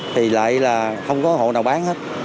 thì lại là không có hộ nào bán hết